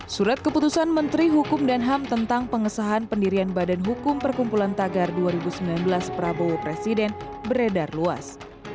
surat keputusan menteri hukum dan ham tentang pengesahan pendirian badan hukum perkumpulan tagar dua ribu sembilan belas prabowo presiden beredar luas